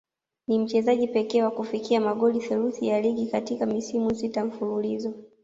Ni mchezaji pekee wa kufikia magoli thelathini ya ligi katika misimu sita mfululizo